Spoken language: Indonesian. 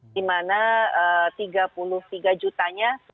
di mana tiga puluh tiga jutanya